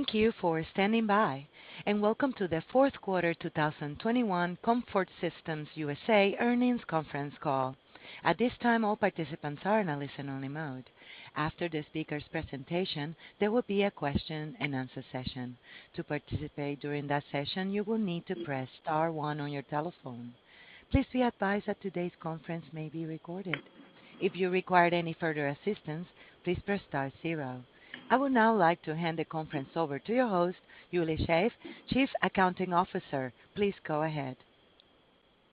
Thank you for standing by, and welcome to the fourth quarter 2021 Comfort Systems USA earnings conference call. At this time, all participants are in a listen-only mode. After the speakers' presentation, there will be a question-and-answer session. To participate during that session, you will need to press star one on your telephone. Please be advised that today's conference may be recorded. If you require any further assistance, please press star zero. I would now like to hand the conference over to your host, Julie Shaeff, Chief Accounting Officer. Please go ahead.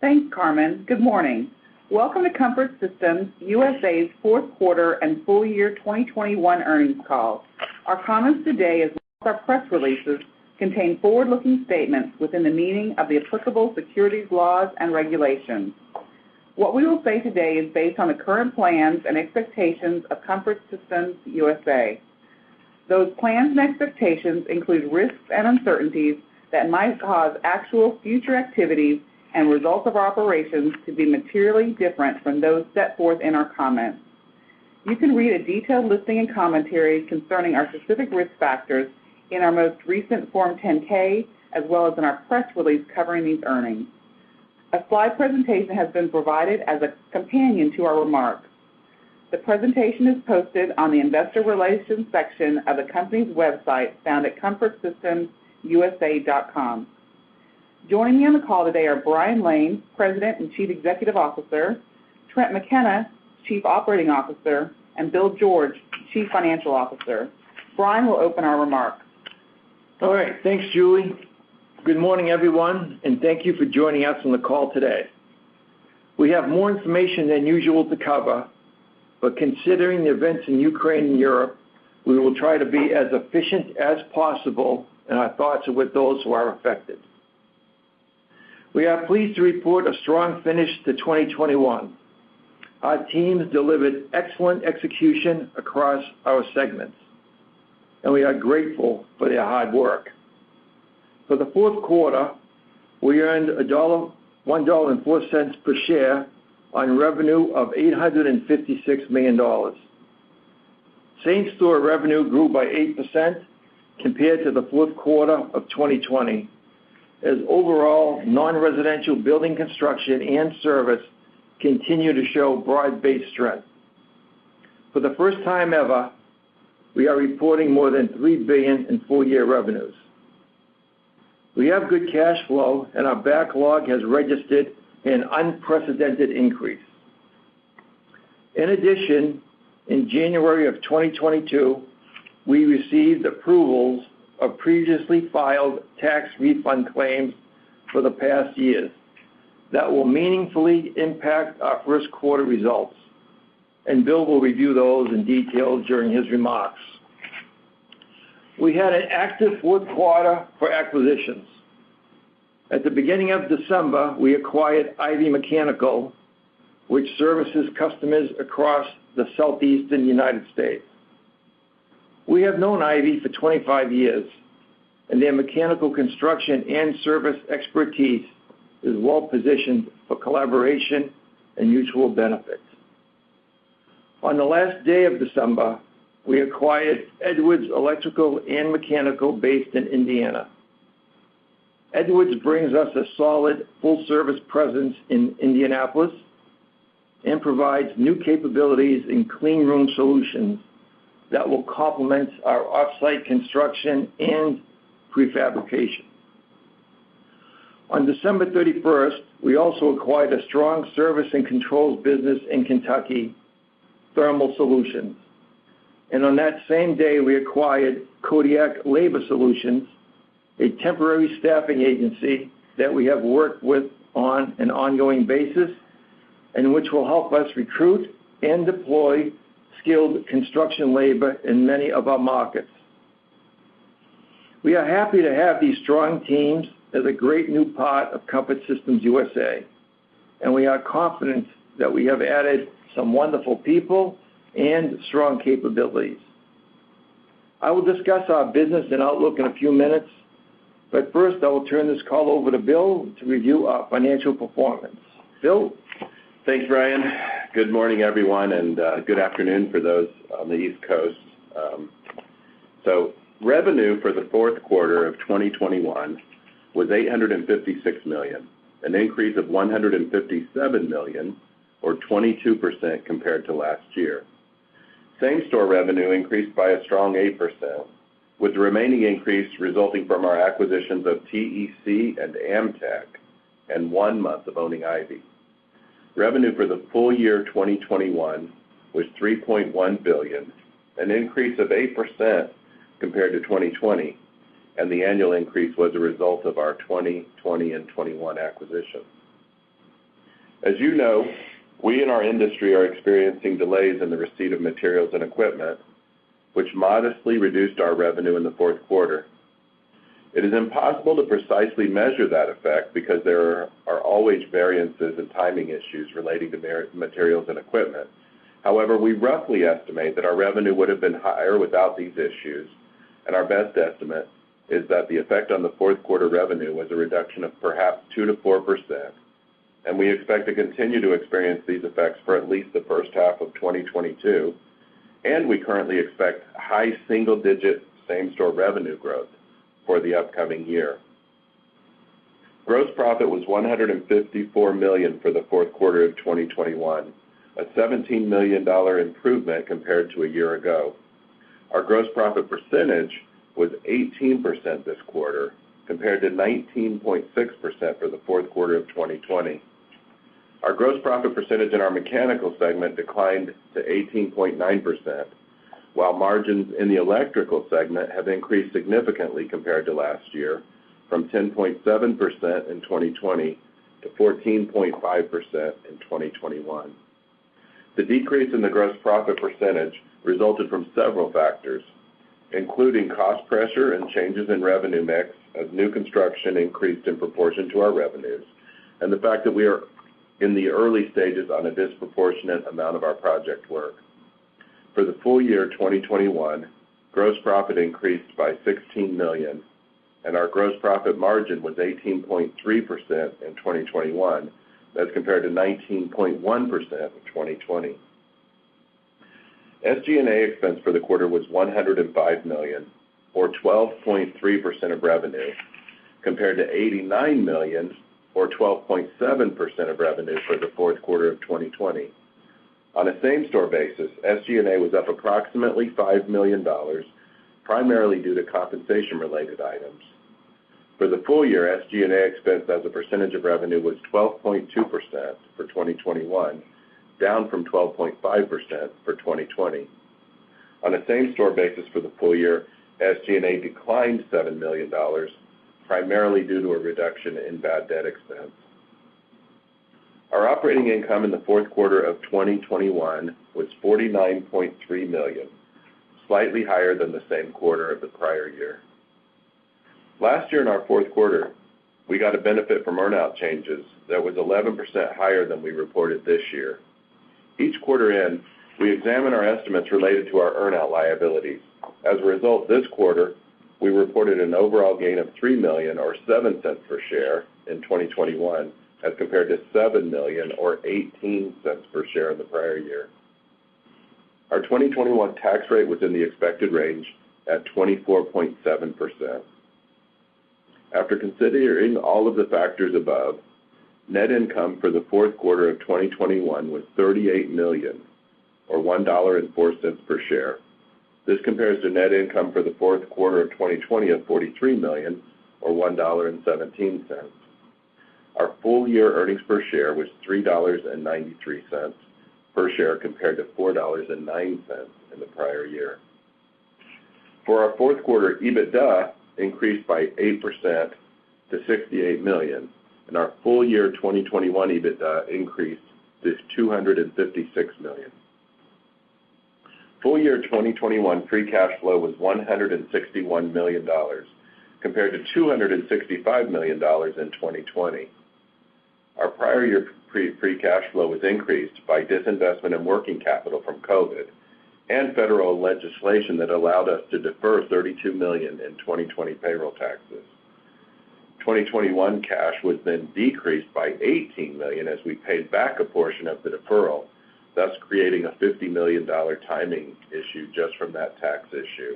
Thanks, Carmen. Good morning. Welcome to Comfort Systems USA's fourth quarter and full year 2021 earnings call. Our comments today, as well as our press releases, contain forward-looking statements within the meaning of the applicable securities laws and regulations. What we will say today is based on the current plans and expectations of Comfort Systems USA. Those plans and expectations include risks and uncertainties that might cause actual future activities and results of operations to be materially different from those set forth in our comments. You can read a detailed listing and commentary concerning our specific risk factors in our most recent Form 10-K, as well as in our press release covering these earnings. A slide presentation has been provided as a companion to our remarks. The presentation is posted on the investor relations section of the company's website, found at comfortsystemsusa.com. Joining me on the call today are Brian Lane, President and Chief Executive Officer, Trent McKenna, Chief Operating Officer, and Bill George, Chief Financial Officer. Brian will open our remarks. All right. Thanks, Julie. Good morning, everyone, and thank you for joining us on the call today. We have more information than usual to cover, but considering the events in Ukraine and Europe, we will try to be as efficient as possible, and our thoughts are with those who are affected. We are pleased to report a strong finish to 2021. Our teams delivered excellent execution across our segments, and we are grateful for their hard work. For the fourth quarter, we earned one dollar and four cents per share on revenue of $856 million. Same-store revenue grew by 8% compared to the fourth quarter of 2020 as overall non-residential building construction and service continue to show broad-based strength. For the first time ever, we are reporting more than $3 billion in full-year revenues. We have good cash flow, and our backlog has registered an unprecedented increase. In addition, in January 2022, we received approvals of previously filed tax refund claims for the past years that will meaningfully impact our first quarter results, and Bill will review those in detail during his remarks. We had an active fourth quarter for acquisitions. At the beginning of December, we acquired Ivey Mechanical, which services customers across the Southeastern United States. We have known Ivey for 25 years, and their Mechanical construction and service expertise is well-positioned for collaboration and mutual benefits. On the last day of December, we acquired Edwards Electrical & Mechanical, based in Indiana. Edwards brings us a solid full-service presence in Indianapolis and provides new capabilities in clean room solutions that will complement our off-site construction and prefabrication. On December 31st, we also acquired a strong service and controls business in Kentucky, Thermal Solution. On that same day, we acquired Kodiak Labor Solutions, a temporary staffing agency that we have worked with on an ongoing basis and which will help us recruit and deploy skilled construction labor in many of our markets. We are happy to have these strong teams as a great new part of Comfort Systems USA, and we are confident that we have added some wonderful people and strong capabilities. I will discuss our business and outlook in a few minutes, but first, I will turn this call over to Bill to review our financial performance. Bill? Thanks, Brian. Good morning, everyone, and good afternoon for those on the East Coast. Revenue for the fourth quarter of 2021 was $856 million, an increase of $157 million or 22% compared to last year. Same-store revenue increased by a strong 8%, with the remaining increase resulting from our acquisitions of TEC and Amteck and one month of owning Ivey. Revenue for the full year 2021 was $3.1 billion, an increase of 8% compared to 2020, and the annual increase was a result of our 2020 and 2021 acquisitions. As you know, we in our industry are experiencing delays in the receipt of materials and equipment, which modestly reduced our revenue in the fourth quarter. It is impossible to precisely measure that effect because there are always variances and timing issues relating to materials and equipment. However, we roughly estimate that our revenue would have been higher without these issues, and our best estimate is that the effect on the fourth quarter revenue was a reduction of perhaps 2%-4%. We expect to continue to experience these effects for at least the first half of 2022, and we currently expect high single-digit same-store revenue growth for the upcoming year. Gross profit was $154 million for the fourth quarter of 2021, a $17 million improvement compared to a year ago. Our gross profit percentage was 18% this quarter compared to 19.6% for the fourth quarter of 2020. Our gross profit percentage in our Mechanical segment declined to 18.9%, while margins in the Electrical segment have increased significantly compared to last year from 10.7% in 2020 to 14.5% in 2021. The decrease in the gross profit percentage resulted from several factors, including cost pressure and changes in revenue mix as new construction increased in proportion to our revenues, and the fact that we are in the early stages on a disproportionate amount of our project work. For the full year 2021, gross profit increased by $16 million, and our gross profit margin was 18.3% in 2021. That's compared to 19.1% in 2020. SG&A expense for the quarter was $105 million or 12.3% of revenue, compared to $89 million or 12.7% of revenue for the fourth quarter of 2020. On a same-store basis, SG&A was up approximately $5 million, primarily due to compensation-related items. For the full year, SG&A expense as a percentage of revenue was 12.2% for 2021, down from 12.5% for 2020. On a same-store basis for the full year, SG&A declined $7 million, primarily due to a reduction in bad debt expense. Our operating income in the fourth quarter of 2021 was $49.3 million, slightly higher than the same quarter of the prior year. Last year in our fourth quarter, we got a benefit from earnout changes that was 11% higher than we reported this year. Each quarter end, we examine our estimates related to our earnout liabilities. As a result, this quarter, we reported an overall gain of $3 million or $0.7 Per share in 2021, as compared to $7 million or $0.18 per share in the prior year. Our 2021 tax rate was in the expected range at 24.7%. After considering all of the factors above, net income for the fourth quarter of 2021 was $38 million or $1.04 per share. This compares to net income for the fourth quarter of 2020 of $43 million or $1.17. Our full year earnings per share was $3.93 per share compared to $4.09 in the prior year. For our fourth quarter, EBITDA increased by 8% to $68 million, and our full year 2021 EBITDA increase is $256 million. Full year 2021 free cash flow was $161 million compared to $265 million in 2020. Our prior year free cash flow was increased by disinvestment in working capital from COVID and federal legislation that allowed us to defer $32 million in 2020 payroll taxes. 2021 cash was then decreased by $18 million as we paid back a portion of the deferral, thus creating a $50 million timing issue just from that tax issue.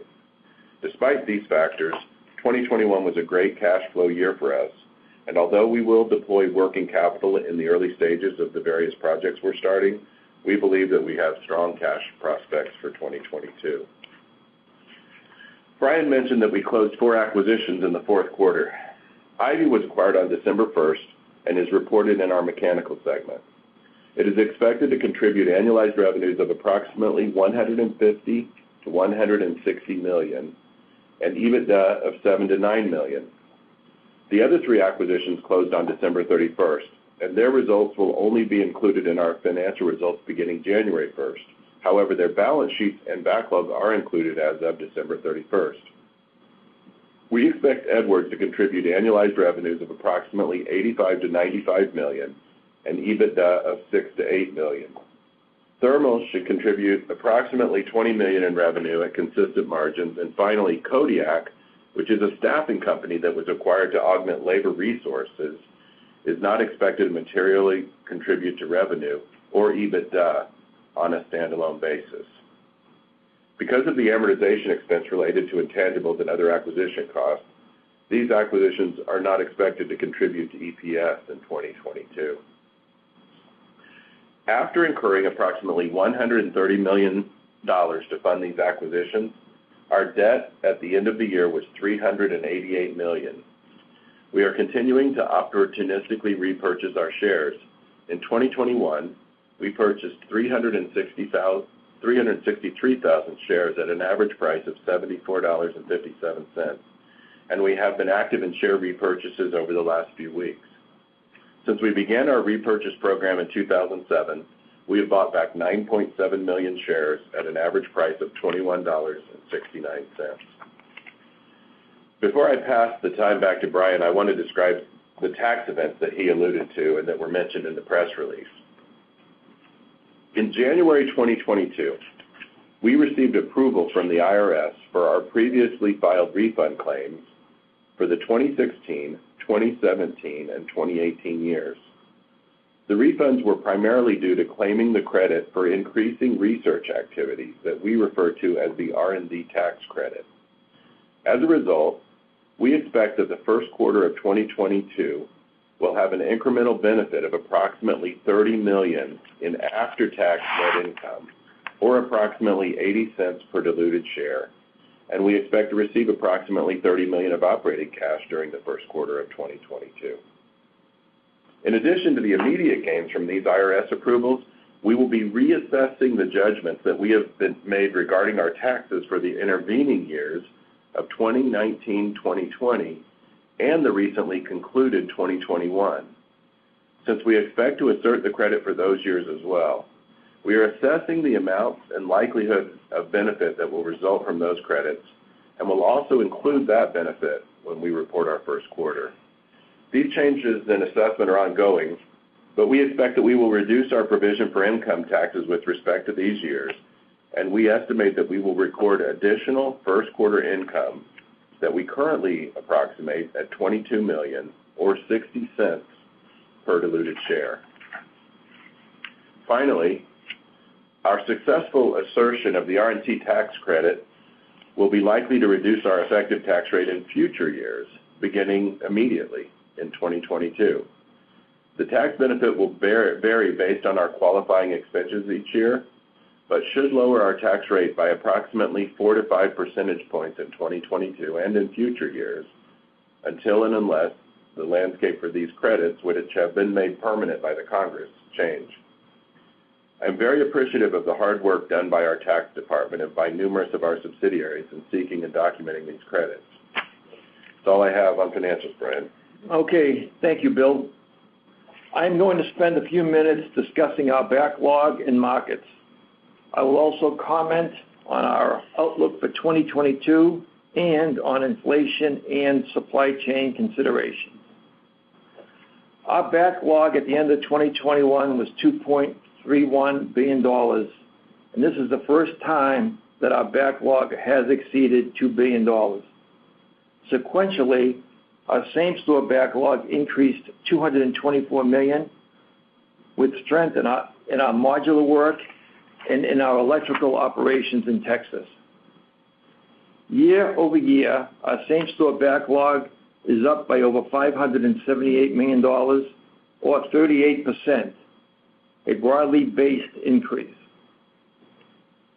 Despite these factors, 2021 was a great cash flow year for us. Although we will deploy working capital in the early stages of the various projects we're starting, we believe that we have strong cash prospects for 2022. Brian mentioned that we closed four acquisitions in the fourth quarter. Ivey was acquired on December 1st and is reported in our Mechanical segment. It is expected to contribute annualized revenues of approximately $150 million-$160 million and EBITDA of $7 million-$9 million. The other three acquisitions closed on December 31st, and their results will only be included in our financial results beginning January 1st. However, their balance sheets and backlogs are included as of December 31st. We expect Edwards to contribute annualized revenues of approximately $85 million-$95 million and EBITDA of $6 million-$8 million. Thermal should contribute approximately $20 million in revenue at consistent margins. Finally, Kodiak, which is a staffing company that was acquired to augment labor resources, is not expected to materially contribute to revenue or EBITDA on a standalone basis. Because of the amortization expense related to intangibles and other acquisition costs, these acquisitions are not expected to contribute to EPS in 2022. After incurring approximately $130 million to fund these acquisitions, our debt at the end of the year was $388 million. We are continuing to opportunistically repurchase our shares. In 2021, we purchased 363,000 shares at an average price of $74.57, and we have been active in share repurchases over the last few weeks. Since we began our repurchase program in 2007, we have bought back 9.7 million shares at an average price of $21.69. Before I pass the time back to Brian, I want to describe the tax events that he alluded to and that were mentioned in the press release. In January 2022, we received approval from the IRS for our previously filed refund claims for the 2016, 2017, and 2018 years. The refunds were primarily due to claiming the credit for increasing research activities that we refer to as the R&D tax credit. As a result, we expect that the first quarter of 2022 will have an incremental benefit of approximately $30 million in after-tax net income, or approximately $0.80 per diluted share, and we expect to receive approximately $30 million of operating cash during the first quarter of 2022. In addition to the immediate gains from these IRS approvals, we will be reassessing the judgments that we have been made regarding our taxes for the intervening years of 2019, 2020, and the recently concluded 2021. Since we expect to assert the credit for those years as well, we are assessing the amounts and likelihood of benefit that will result from those credits, and we'll also include that benefit when we report our first quarter. These changes in assessment are ongoing, but we expect that we will reduce our provision for income taxes with respect to these years, and we estimate that we will record additional first quarter income that we currently approximate at $22 million or $0.60 per diluted share. Finally, our successful assertion of the R&D tax credit will be likely to reduce our effective tax rate in future years, beginning immediately in 2022. The tax benefit will vary based on our qualifying expenses each year, but should lower our tax rate by approximately 4-5 percentage points in 2022 and in future years, until and unless the landscape for these credits would change if it had been made permanent by the Congress. I'm very appreciative of the hard work done by our tax department and by numerous of our subsidiaries in seeking and documenting these credits. That's all I have on financials, Brian. Thank you, Bill. I'm going to spend a few minutes discussing our backlog and markets. I will also comment on our outlook for 2022 and on inflation and supply chain considerations. Our backlog at the end of 2021 was $2.31 billion, and this is the first time that our backlog has exceeded $2 billion. Sequentially, our same-store backlog increased $224 million with strength in our modular work and in our Electrical operations in Texas. Year-over-year, our same-store backlog is up by over $578 million or 38%, a broadly based increase.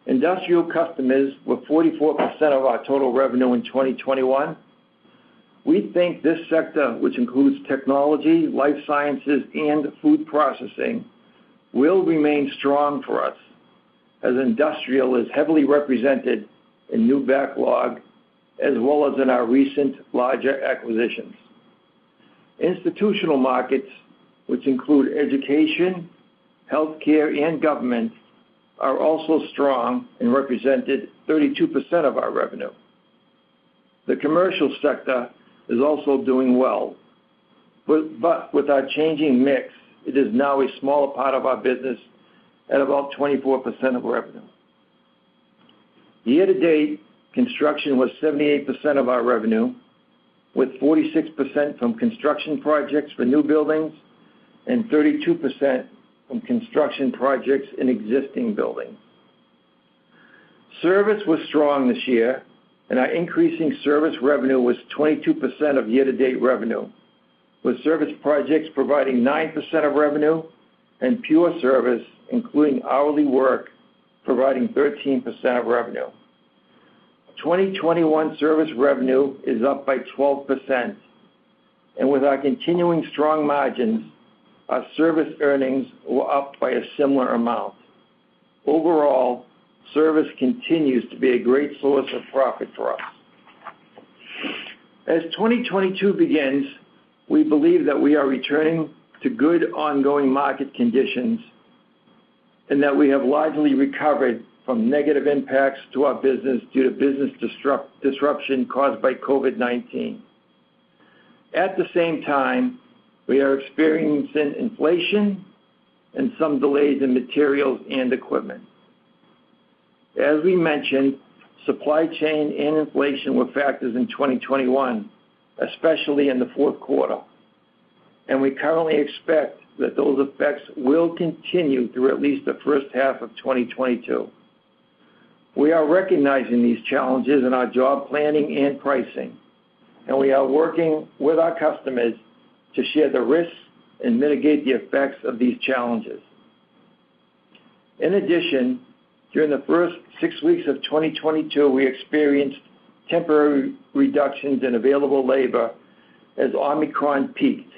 Industrial customers were 44% of our total revenue in 2021. We think this sector, which includes technology, life sciences, and food processing, will remain strong for us as industrial is heavily represented in new backlog as well as in our recent larger acquisitions. Institutional markets, which include education, healthcare, and government, are also strong and represented 32% of our revenue. The commercial sector is also doing well, but with our changing mix, it is now a smaller part of our business at about 24% of revenue. Year-to-date, construction was 78% of our revenue, with 46% from construction projects for new buildings and 32% from construction projects in existing buildings. Service was strong this year, and our increasing service revenue was 22% of year-to-date revenue, with service projects providing 9% of revenue and pure service, including hourly work, providing 13% of revenue. 2021 service revenue is up by 12%. With our continuing strong margins, our service earnings were up by a similar amount. Overall, service continues to be a great source of profit for us. As 2022 begins, we believe that we are returning to good ongoing market conditions and that we have largely recovered from negative impacts to our business due to business disruption caused by COVID-19. At the same time, we are experiencing inflation and some delays in materials and equipment. As we mentioned, supply chain and inflation were factors in 2021, especially in the fourth quarter, and we currently expect that those effects will continue through at least the first half of 2022. We are recognizing these challenges in our job planning and pricing, and we are working with our customers to share the risks and mitigate the effects of these challenges. In addition, during the first six weeks of 2022, we experienced temporary reductions in available labor as Omicron peaked,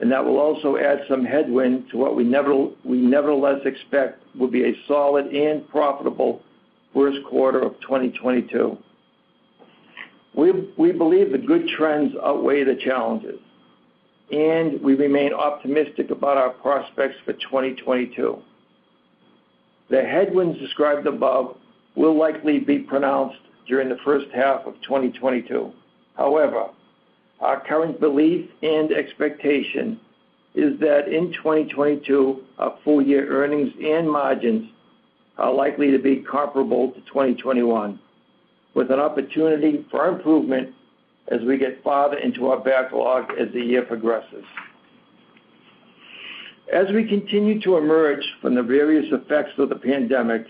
and that will also add some headwind to what we nevertheless expect will be a solid and profitable first quarter of 2022. We believe the good trends outweigh the challenges, and we remain optimistic about our prospects for 2022. The headwinds described above will likely be pronounced during the first half of 2022. However, our current belief and expectation is that in 2022, our full year earnings and margins are likely to be comparable to 2021, with an opportunity for improvement as we get farther into our backlog as the year progresses. As we continue to emerge from the various effects of the pandemic,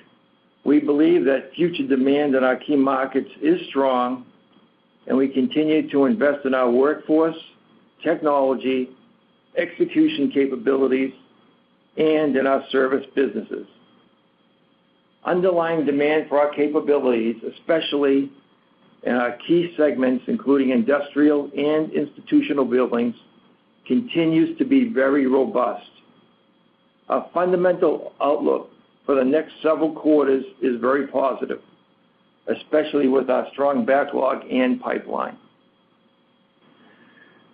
we believe that future demand in our key markets is strong, and we continue to invest in our workforce, technology, execution capabilities, and in our service businesses. Underlying demand for our capabilities, especially in our key segments, including industrial and institutional buildings, continues to be very robust. Our fundamental outlook for the next several quarters is very positive, especially with our strong backlog and pipeline.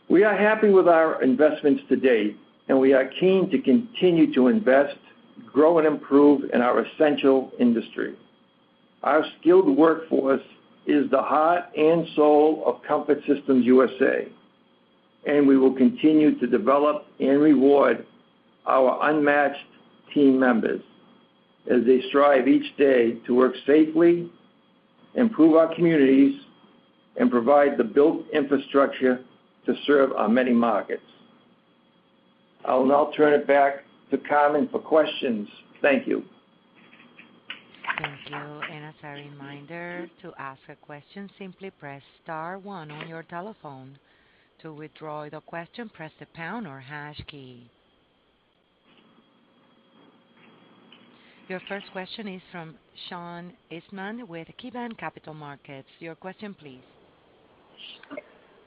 We are happy with our investments to date, and we are keen to continue to invest, grow, and improve in our essential industry. Our skilled workforce is the heart and soul of Comfort Systems USA, and we will continue to develop and reward our unmatched team members as they strive each day to work safely, improve our communities, and provide the built infrastructure to serve our many markets. I'll now turn it back to Carmen for questions. Thank you. Thank you. As a reminder, to ask a question, simply press star one on your telephone. To withdraw the question, press the pound or hash key. Your first question is from Sean Eastman with KeyBanc Capital Markets. Your question please.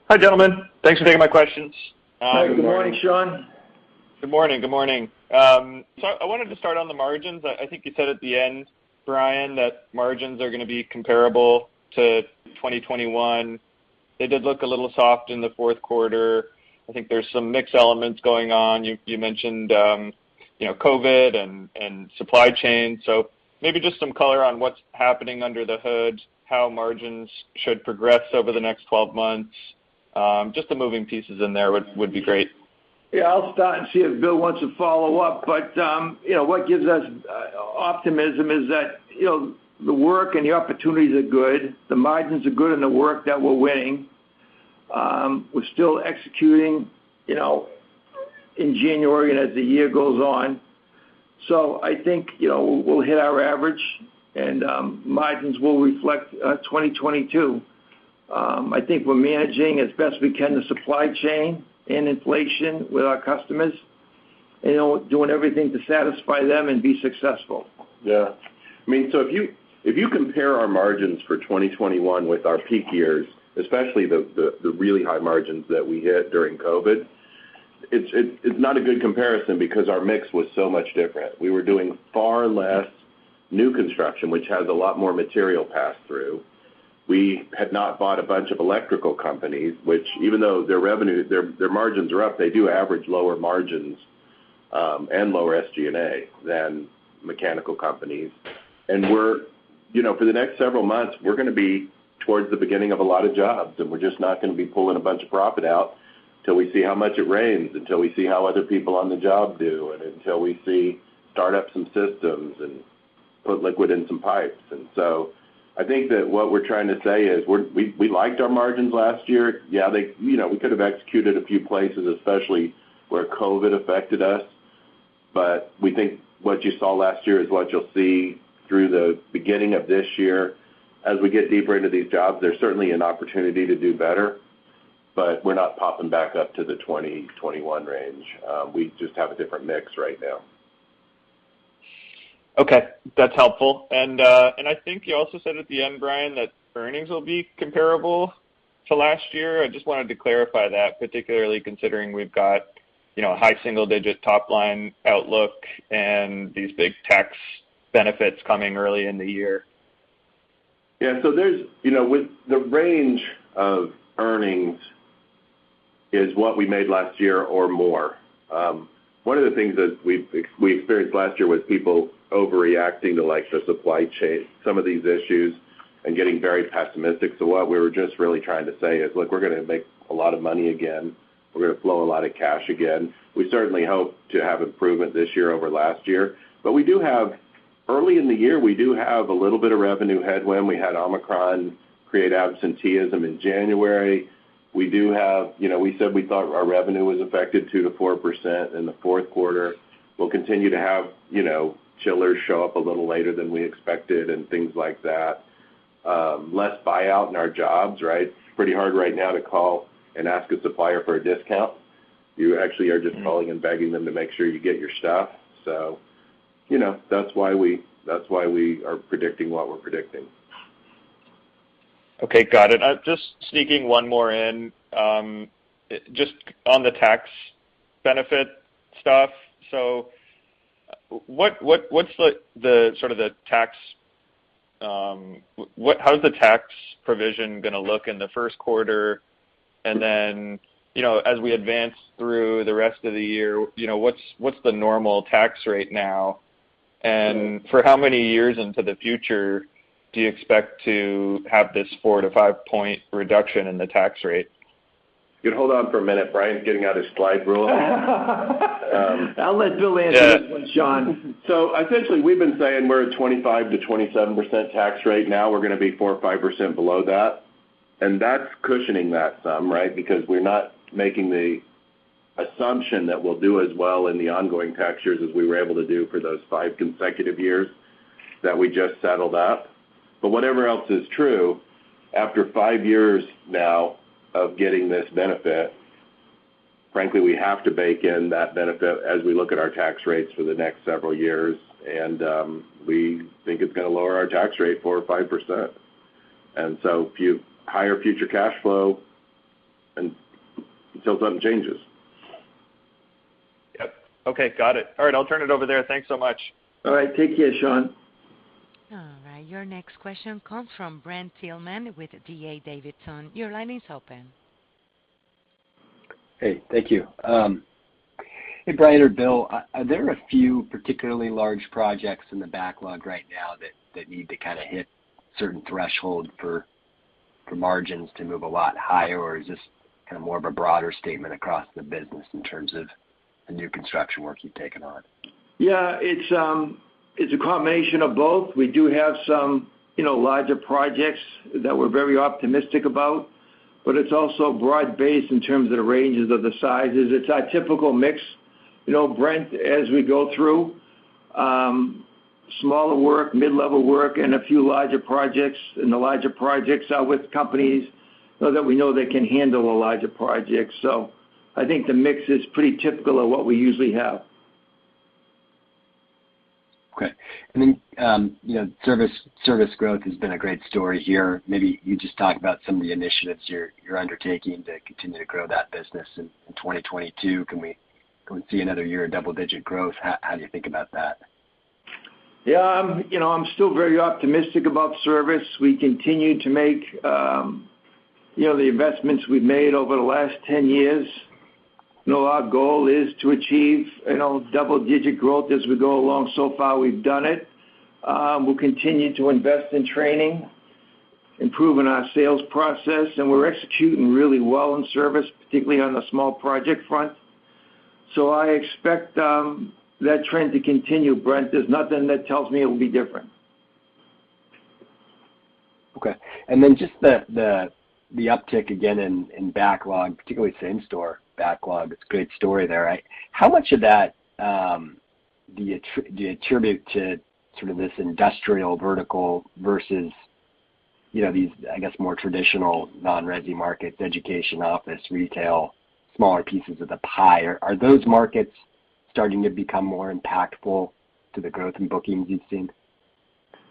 Hi, gentlemen. Thanks for taking my questions. Hi. Good morning, Sean. Good morning. I wanted to start on the margins. I think you said at the end, Brian, that margins are gonna be comparable to 2021. They did look a little soft in the fourth quarter. I think there's some mix elements going on. You mentioned you know COVID and supply chain. Maybe just some color on what's happening under the hood, how margins should progress over the next 12 months. Just the moving pieces in there would be great. Yeah, I'll start and see if Bill wants to follow up. You know, what gives us optimism is that, you know, the work and the opportunities are good. The margins are good and the work that we're winning. We're still executing, you know, in January and as the year goes on. I think, you know, we'll hit our average and margins will reflect 2022. I think we're managing as best we can the supply chain and inflation with our customers, you know, doing everything to satisfy them and be successful. Yeah. I mean, if you compare our margins for 2021 with our peak years, especially the really high margins that we hit during COVID, it's not a good comparison because our mix was so much different. We were doing far less new construction, which has a lot more material pass through. We had not bought a bunch of Electrical companies, which even though their revenue, their margins are up, they do average lower margins, and lower SG&A than Mechanical companies. We're, you know, for the next several months, we're gonna be towards the beginning of a lot of jobs, and we're just not gonna be pulling a bunch of profit out till we see how much it rains, until we see how other people on the job do, and until we see start up some systems and put liquid in some pipes. I think that what we're trying to say is we liked our margins last year. Yeah, they, you know, we could have executed a few places, especially where COVID affected us, but we think what you saw last year is what you'll see through the beginning of this year. As we get deeper into these jobs, there's certainly an opportunity to do better, but we're not popping back up to the 2021 range. We just have a different mix right now. Okay, that's helpful. I think you also said at the end, Brian, that earnings will be comparable to last year. I just wanted to clarify that, particularly considering we've got, you know, high single digit top line outlook and these big tax benefits coming early in the year. Yeah. There's, you know, with the range of earnings is what we made last year or more. One of the things that we experienced last year was people overreacting to like the supply chain, some of these issues and getting very pessimistic. What we were just really trying to say is, look, we're gonna make a lot of money again. We're gonna flow a lot of cash again. We certainly hope to have improvement this year over last year. We do have early in the year a little bit of revenue headwind. We had Omicron create absenteeism in January. We do have, you know, we said we thought our revenue was affected 2%-4% in the fourth quarter. We'll continue to have, you know, chillers show up a little later than we expected and things like that. Less buyout in our jobs, right? It's pretty hard right now to call and ask a supplier for a discount. You actually are just calling and begging them to make sure you get your stuff. You know, that's why we are predicting what we're predicting. Okay, got it. Just sneaking one more in, just on the tax benefit stuff. What's the tax provision gonna look in the first quarter? You know, as we advance through the rest of the year, you know, what's the normal tax rate now? For how many years into the future do you expect to have this 4 to 5-point reduction in the tax rate? If you hold on for a minute, Brian's getting out his slide rule. I'll let Bill answer this one, Sean. Essentially, we've been saying we're at 25%-27% tax rate. Now we're gonna be 4%-5% below that. That's cushioning that sum, right? Because we're not making the assumption that we'll do as well in the ongoing tax years as we were able to do for those five consecutive years that we just settled up. Whatever else is true, after five years now of getting this benefit, frankly, we have to bake in that benefit as we look at our tax rates for the next several years. We think it's gonna lower our tax rate 4%-5%, higher future cash flow and until something changes. Yep. Okay. Got it. All right, I'll turn it over there. Thanks so much. All right. Take care, Sean. All right. Your next question comes from Brent Thielman with D.A. Davidson. Your line is open. Hey, thank you. Hey, Brian or Bill, are there a few particularly large projects in the backlog right now that need to kinda hit certain threshold for margins to move a lot higher or is this kinda more of a broader statement across the business in terms of the new construction work you've taken on? Yeah. It's a combination of both. We do have some, you know, larger projects that we're very optimistic about, but it's also broad-based in terms of the ranges of the sizes. It's our typical mix. You know, Brent, as we go through, smaller work, mid-level work and a few larger projects and the larger projects are with companies so that we know they can handle the larger projects. I think the mix is pretty typical of what we usually have. Okay. You know, service growth has been a great story here. Maybe you just talk about some of the initiatives you're undertaking to continue to grow that business in 2022. Can we see another year of double-digit growth? How do you think about that? Yeah. I'm, you know, I'm still very optimistic about service. We continue to make, you know, the investments we've made over the last 10 years. You know, our goal is to achieve, you know, double-digit growth as we go along. So far, we've done it. We'll continue to invest in training, improving our sales process, and we're executing really well in service, particularly on the small project front. I expect that trend to continue, Brent. There's nothing that tells me it will be different. Okay. Then just the uptick again in backlog, particularly same store backlog. It's a great story there. How much of that do you attribute to sort of this industrial vertical versus, you know, these, I guess, more traditional non-resi markets, education, office, retail, smaller pieces of the pie? Are those markets starting to become more impactful to the growth in bookings you've seen?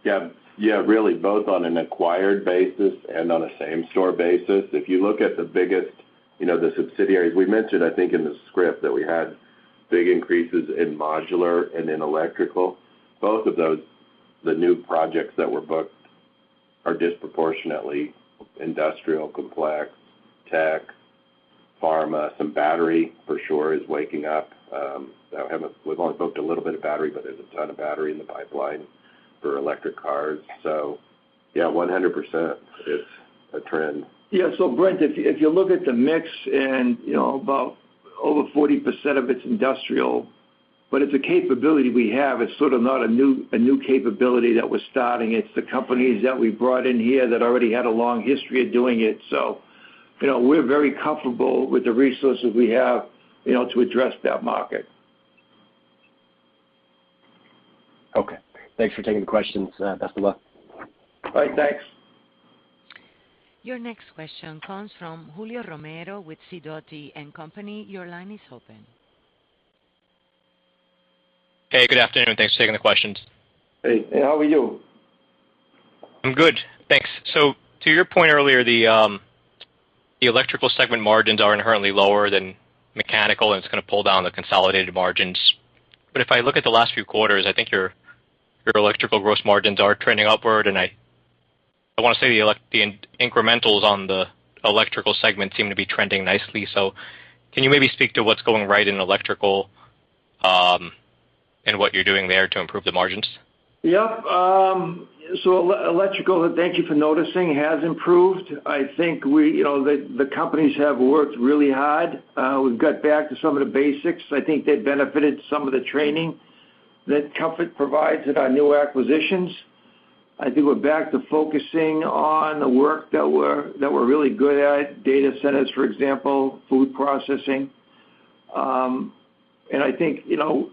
Yeah. Yeah, really, both on an acquired basis and on a same store basis. If you look at the biggest, you know, the subsidiaries, we mentioned, I think in the script, that we had big increases in modular and in Electrical. Both of those, the new projects that were booked are disproportionately industrial complex, tech, pharma. Some battery for sure is waking up. We've only booked a little bit of battery, but there's a ton of battery in the pipeline for electric cars. Yeah, 100% it's a trend. Yeah. Brent, if you look at the mix and, you know, about over 40% of it's industrial, but it's a capability we have. It's sort of not a new capability that we're starting. It's the companies that we brought in here that already had a long history of doing it. You know, we're very comfortable with the resources we have, you know, to address that market. Okay. Thanks for taking the questions. Best of luck. All right, thanks. Your next question comes from Julio Romero with Sidoti & Company. Your line is open. Hey, good afternoon. Thanks for taking the questions. Hey. How are you? I'm good. Thanks. To your point earlier, the Electrical segment margins are inherently lower than Mechanical, and it's gonna pull down the consolidated margins. If I look at the last few quarters, I think your Electrical gross margins are trending upward, and I wanna say the incrementals on the Electrical segment seem to be trending nicely. Can you maybe speak to what's going right in Electrical, and what you're doing there to improve the margins? Yeah. So Electrical, thank you for noticing, has improved. I think we, you know, the companies have worked really hard. We've got back to some of the basics. I think they benefited some of the training that Comfort provides at our new acquisitions. I think we're back to focusing on the work that we're really good at, data centers, for example, food processing. I think, you know,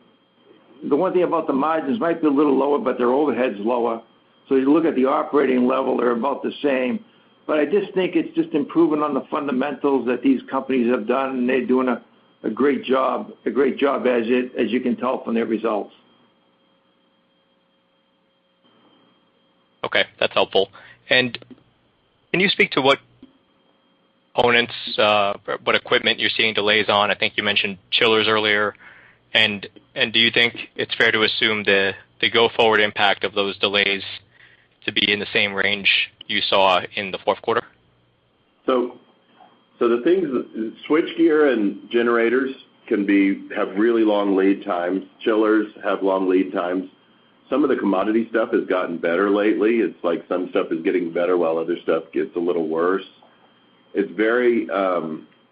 the one thing about the margins might be a little lower, but their overhead's lower. You look at the operating level, they're about the same. I just think it's just improving on the fundamentals that these companies have done, and they're doing a great job as you can tell from their results. Okay, that's helpful. Can you speak to what components you're seeing delays on? I think you mentioned chillers earlier. Do you think it's fair to assume the go-forward impact of those delays to be in the same range you saw in the fourth quarter? The things switchgear and generators have really long lead times. Chillers have long lead times. Some of the commodity stuff has gotten better lately. It's like some stuff is getting better while other stuff gets a little worse. It's very,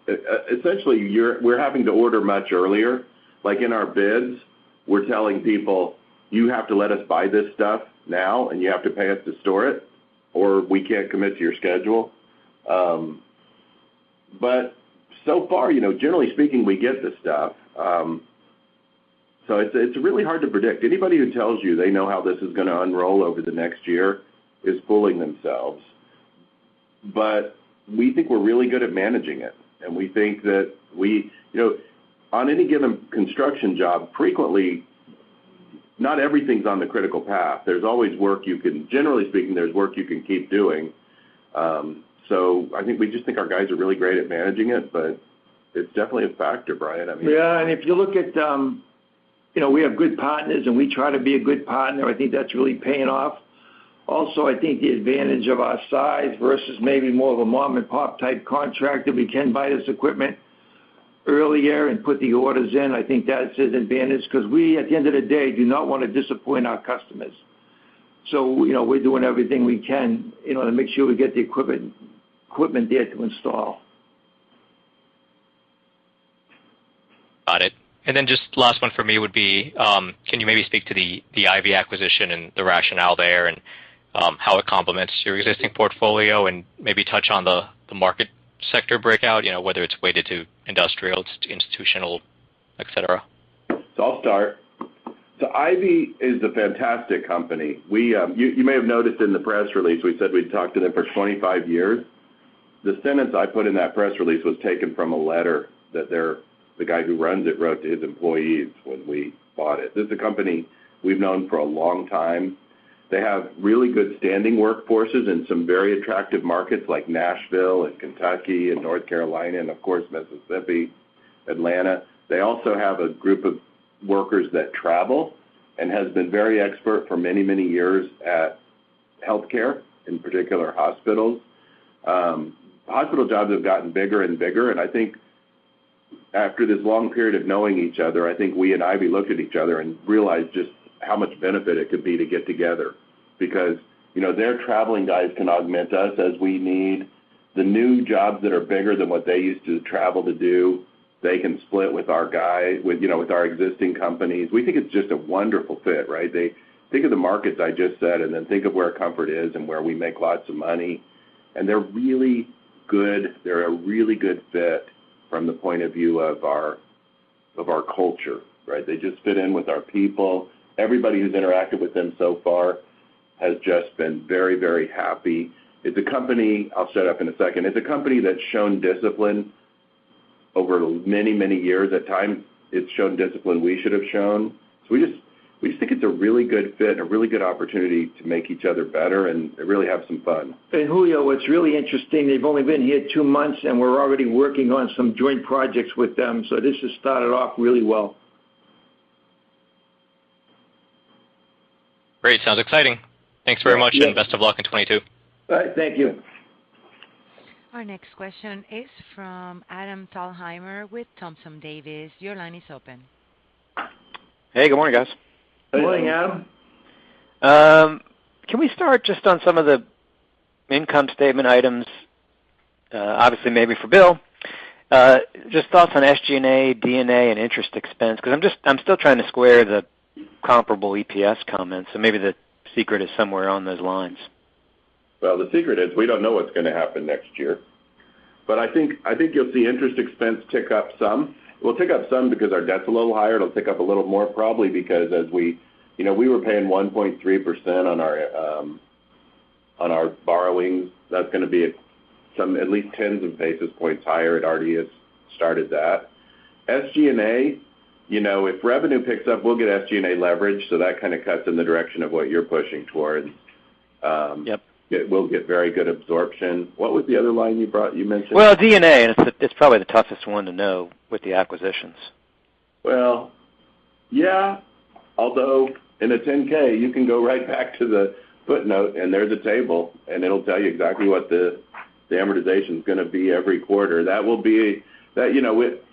essentially, we're having to order much earlier. Like in our bids, we're telling people, "You have to let us buy this stuff now, and you have to pay us to store it, or we can't commit to your schedule." So far, you know, generally speaking, we get the stuff. It's really hard to predict. Anybody who tells you they know how this is gonna unfold over the next year is fooling themselves. We think we're really good at managing it, and we think that we You know, on any given construction job, frequently, not everything's on the critical path. Generally speaking, there's always work you can keep doing. I think we just think our guys are really great at managing it, but it's definitely a factor, Brian. I mean. Yeah. If you look at, you know, we have good partners, and we try to be a good partner. I think that's really paying off. Also, I think the advantage of our size versus maybe more of a mom-and-pop type contractor, we can buy this equipment earlier and put the orders in. I think that's its advantage 'cause we, at the end of the day, do not wanna disappoint our customers. You know, we're doing everything we can, you know, to make sure we get the equipment there to install. Got it. Just last one for me would be, can you maybe speak to the Ivey acquisition and the rationale there and, how it complements your existing portfolio and maybe touch on the market sector breakout, you know, whether it's weighted to industrial, to institutional, et cetera. I'll start. Ivey is a fantastic company. You may have noticed in the press release, we said we've talked to them for 25 years. The sentence I put in that press release was taken from a letter that the guy who runs it wrote to his employees when we bought it. This is a company we've known for a long time. They have really good standing workforces in some very attractive markets like Nashville and Kentucky and North Carolina and, of course, Mississippi, Atlanta. They also have a group of workers that travel and has been very expert for many, many years at healthcare, in particular hospitals. Hospital jobs have gotten bigger and bigger, and I think after this long period of knowing each other, I think we and Ivey looked at each other and realized just how much benefit it could be to get together. Because, you know, their traveling guys can augment us as we need. The new jobs that are bigger than what they used to travel to do, they can split with our guy, with, you know, with our existing companies. We think it's just a wonderful fit, right? They think of the markets I just said, and then think of where Comfort is and where we make lots of money, and they're really good. They're a really good fit from the point of view of our, of our culture, right? They just fit in with our people. Everybody who's interacted with them so far has just been very, very happy. It's a company. I'll shut up in a second. It's a company that's shown discipline over many, many years. At times, it's shown discipline we should have shown. We just think it's a really good fit and a really good opportunity to make each other better and really have some fun. Julio, what's really interesting, they've only been here two months, and we're already working on some joint projects with them. This has started off really well. Great. Sounds exciting. Thanks very much. Thank you. Best of luck in 2022. All right. Thank you. Our next question is from Adam Thalhimer with Thompson Davis. Your line is open. Hey, Good morning, guys. Good morning, Adam. Can we start just on some of the income statement items? Obviously, maybe for Bill. Just thoughts on SG&A, D&A, and interest expense 'cause I'm still trying to square the comparable EPS comments, so maybe the secret is somewhere on those lines. Well, the secret is we don't know what's gonna happen next year. I think you'll see interest expense tick up some. It will tick up some because our debt's a little higher. It'll tick up a little more probably because as we... You know, we were paying 1.3% on our borrowings. That's gonna be at least tens of basis points higher. It already has started that. SG&A, you know, if revenue picks up, we'll get SG&A leverage, so that kinda cuts in the direction of what you're pushing towards. Yep. It will get very good absorption. What was the other line you mentioned? Well, D&A, and it's probably the toughest one to know with the acquisitions. Well, yeah, although in the 10-K, you can go right back to the footnote, and there's a table, and it'll tell you exactly what the amortization's gonna be every quarter.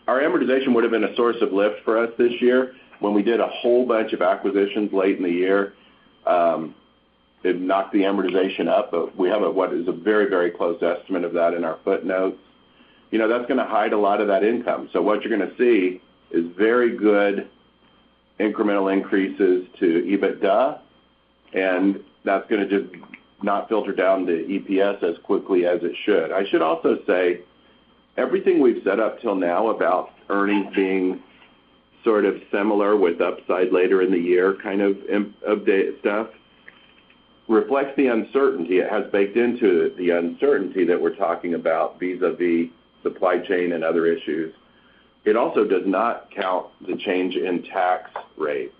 Our amortization would have been a source of lift for us this year. When we did a whole bunch of acquisitions late in the year, it knocked the amortization up. But we have what is a very, very close estimate of that in our footnotes. You know, that's gonna hide a lot of that income. What you're gonna see is very good incremental increases to EBITDA, and that's gonna just not filter down to EPS as quickly as it should. I should also say everything we've said up till now about earnings being sort of similar with upside later in the year kind of impact of data stuff reflects the uncertainty. It has baked into it the uncertainty that we're talking about vis-à-vis supply chain and other issues. It also does not count the change in tax rates.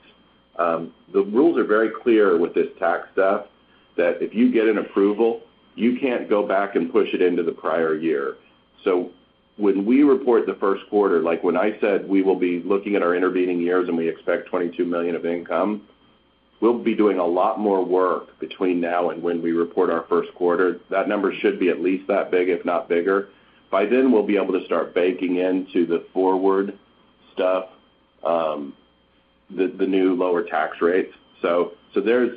The rules are very clear with this tax stuff that if you get an approval, you can't go back and push it into the prior year. When we report the first quarter, like when I said we will be looking at our intervening years and we expect $22 million of income, we'll be doing a lot more work between now and when we report our first quarter. That number should be at least that big, if not bigger. By then, we'll be able to start baking into the forward stuff, the new lower tax rates. There's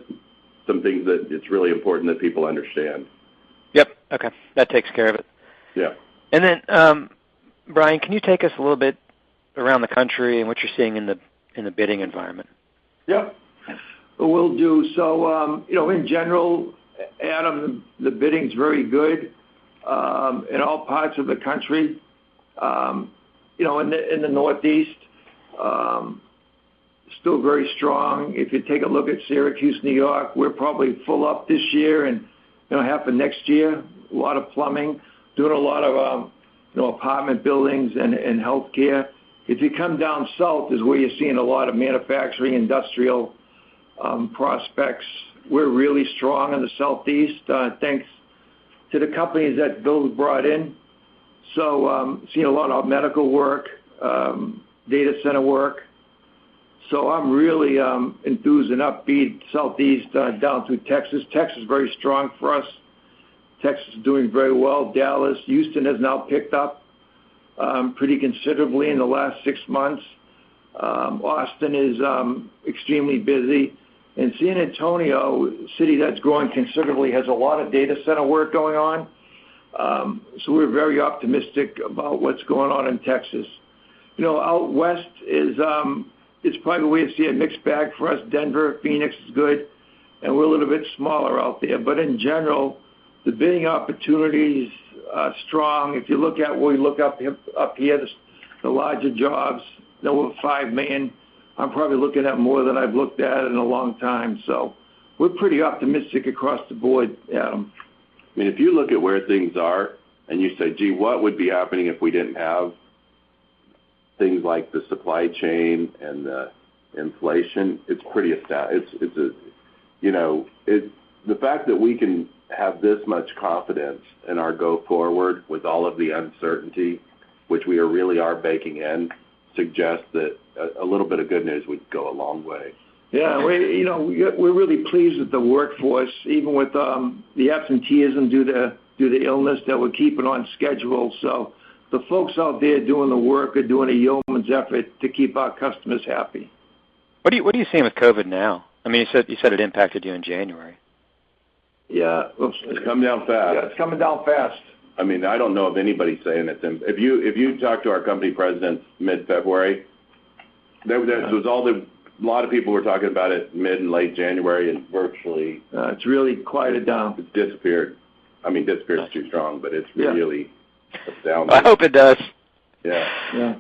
some things that it's really important that people understand. Yep. Okay. That takes care of it. Yeah. Brian, can you take us a little bit around the country and what you're seeing in the bidding environment? Yep. Will do. In general, Adam, the bidding's very good in all parts of the country. In the Northeast, still very strong. If you take a look at Syracuse, New York, we're probably full up this year and gonna happen next year. A lot of plumbing, doing a lot of apartment buildings and healthcare. If you come down south is where you're seeing a lot of manufacturing, industrial prospects. We're really strong in the Southeast, thanks to the companies that Bill brought in. Seeing a lot of medical work, data center work. I'm really enthused and upbeat, Southeast down through Texas. Texas is very strong for us. Texas is doing very well. Dallas, Houston has now picked up pretty considerably in the last six months. Austin is extremely busy. San Antonio, a city that's growing considerably, has a lot of data center work going on. We're very optimistic about what's going on in Texas. You know, out west is probably where you see a mixed bag for us. Denver, Phoenix is good, and we're a little bit smaller out there. But in general, the bidding opportunities are strong. If you look at where we look up here, the larger jobs, you know, over $5 million, I'm probably looking at more than I've looked at in a long time. We're pretty optimistic across the board, Adam. I mean, if you look at where things are and you say, "Gee, what would be happening if we didn't have things like the supply chain and the inflation?" It's pretty, you know, the fact that we can have this much confidence in our go forward with all of the uncertainty, which we really are baking in, suggests that a little bit of good news would go a long way. Yeah. You know, we're really pleased with the workforce, even with the absenteeism due to illness, we're keeping on schedule. The folks out there doing the work are doing a yeoman's effort to keep our customers happy. What are you seeing with COVID now? I mean, you said it impacted you in January. Yeah. Oops. It's coming down fast. Yeah, it's coming down fast. I mean, I don't know of anybody saying it's. If you talked to our company presidents mid-February, there was all the. A lot of people were talking about it mid and late January, and virtually. It's really quieted down. It's disappeared. I mean, disappeared's too strong, but it's really astounding. I hope it does. Yeah. Yeah.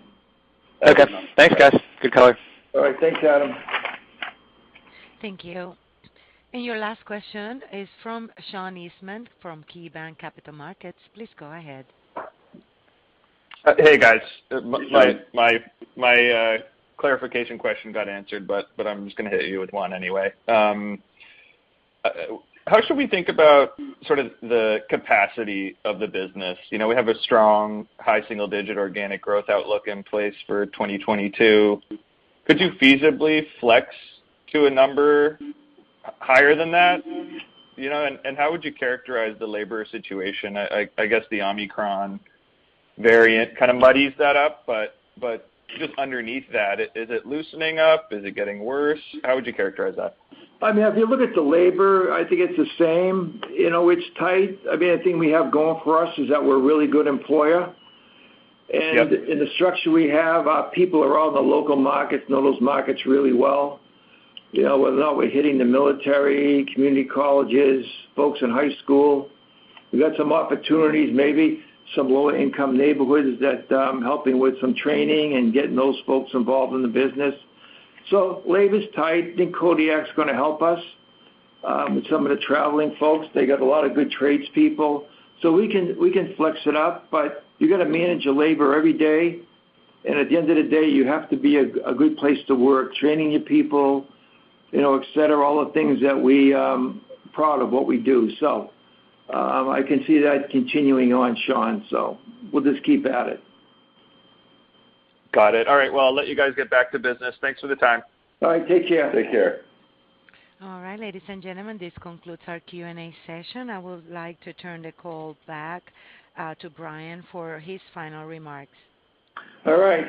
Okay. Thanks, guys. Good color. All right. Thanks, Adam. Thank you. Your last question is from Sean Eastman from KeyBanc Capital Markets. Please go ahead. Hey, guys. My clarification question got answered, but I'm just gonna hit you with one anyway. How should we think about sort of the capacity of the business? You know, we have a strong high single-digit organic growth outlook in place for 2022. Could you feasibly flex to a number higher than that? You know, and how would you characterize the labor situation? I guess the Omicron variant kind of muddies that up. But just underneath that, is it loosening up? Is it getting worse? How would you characterize that? I mean, if you look at the labor, I think it's the same. You know, it's tight. I mean, I think we have going for us is that we're a really good employer. Yep. In the structure we have, our people are all in the local markets, know those markets really well. You know, whether or not we're hitting the military, community colleges, folks in high school. We've got some opportunities, maybe some lower income neighborhoods that helping with some training and getting those folks involved in the business. Labor's tight. I think Kodiak's gonna help us with some of the traveling folks. They got a lot of good tradespeople. We can flex it up, but you gotta manage your labor every day. At the end of the day, you have to be a good place to work, training your people, you know, et cetera, all the things that we're proud of what we do. I can see that continuing on, Sean, so we'll just keep at it. Got it. All right. Well, I'll let you guys get back to business. Thanks for the time. All right. Take care. Take care. All right. Ladies and gentlemen, this concludes our Q&A session. I would like to turn the call back to Brian for his final remarks. All right.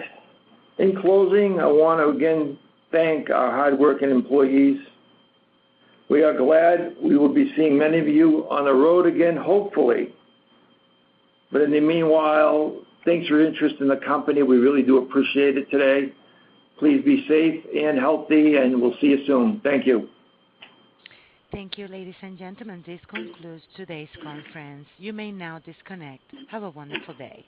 In closing, I wanna again thank our hardworking employees. We are glad we will be seeing many of you on the road again, hopefully. In the meanwhile, thanks for your interest in the company. We really do appreciate it today. Please be safe and healthy, and we'll see you soon. Thank you. Thank you, ladies and gentlemen. This concludes today's conference. You may now disconnect. Have a wonderful day.